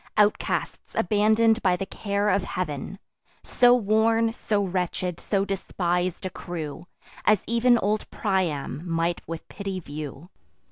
Outcasts, abandon'd by the care of Heav'n; So worn, so wretched, so despis'd a crew, As ev'n old Priam might with pity view.